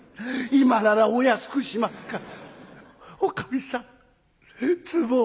今ならお安くしますから」。